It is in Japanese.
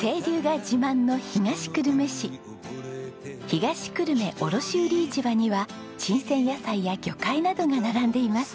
東久留米卸売市場には新鮮野菜や魚介などが並んでいます。